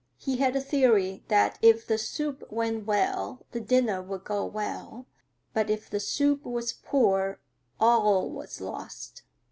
He had a theory that if the soup went well, the dinner would go well; but if the soup was poor, all was lost.